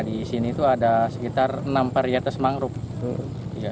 di sini itu ada sekitar enam varietas mangrove